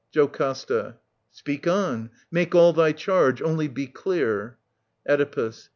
JOCASTA. Speak on. Make all thy charge. Only be clear. Oedipus.